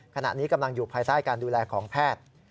ขณะนี้กำลังอยู่ภายใต้การดูแลของแพทย์